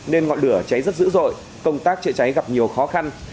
nên ngọn lửa cháy rất dữ dội công tác chữa cháy gặp nhiều khó khăn